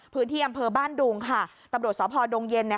พื้นที่อำเภอบ้านดุงค่ะตำรวจสพดงเย็นเนี่ย